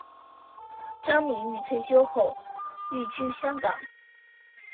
张敏钰退休后寓居香港。